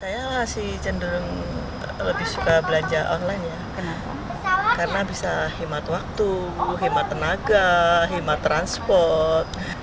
saya masih cenderung lebih suka belanja online ya karena bisa himat waktu himat tenaga himat transport